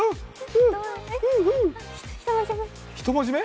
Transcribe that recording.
１文字目？